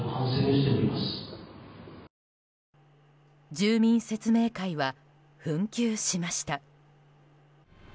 住民説明会は紛糾しました。